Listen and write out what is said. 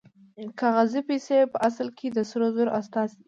کاغذي پیسې په اصل کې د سرو زرو استازي دي